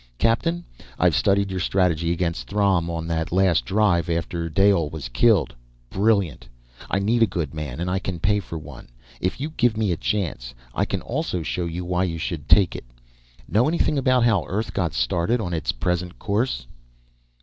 Captain, I've studied your strategy against Throm on that last drive after Dayole was killed. Brilliant! I need a good man, and I can pay for one. If you give me a chance, I can also show you why you should take it. Know anything about how Earth got started on its present course?"